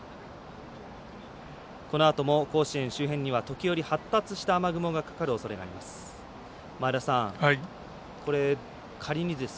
このあとも、甲子園周辺には時折発達した雨雲がかかるおそれがあります。